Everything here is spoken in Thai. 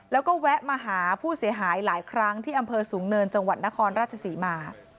แล้วก็แวะมาหาผู้เสียหายหลายครั้งที่อำเภอสูงเนินจังหวัดนครราชศรีมา